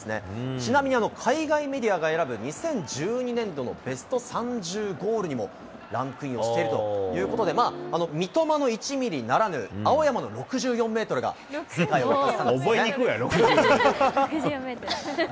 ちなみに海外メディアが選ぶ２０１２年度のベスト３０ゴールにもランクインをしてるということで、三笘の１ミリならぬ、青山の６４メートルが世界を沸かせたんですね。